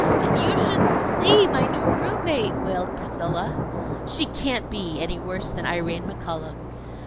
"And you should see my new room mate!" wailed Priscilla. "She can't be any worse than Irene McCullough."